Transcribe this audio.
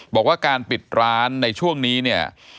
บอกว่าการปิดร้านในช่วงนี้เนี่ย